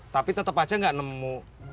tapi tetap aja nggak nemu